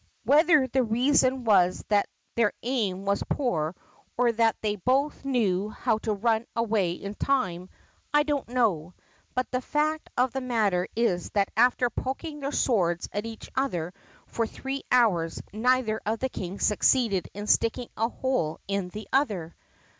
Whether the reason was that their aim was poor or that they THE PUSSYCAT PRINCESS 147 both knew how to run away in time, I don't know, but the fact of the matter is that after poking their swords at each other for three hours neither of the kings succeeded in sticking a hole in the other.